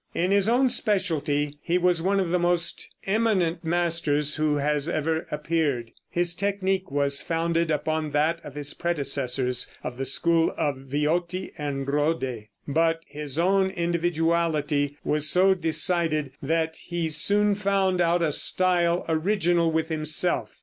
In his own specialty he was one of the most eminent masters who has ever appeared. His technique was founded upon that of his predecessors of the school of Viotti and Rode, but his own individuality was so decided that he soon found out a style original with himself.